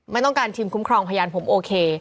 ไม่ต้องการทีมคุ้มครองพยานผมโอเค